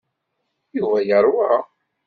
Yuba yeṛwa.